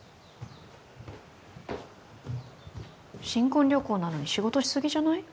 新婚旅行なのに仕事しすぎじゃない？